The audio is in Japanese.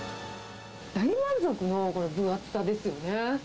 大満足のこの分厚さですよね。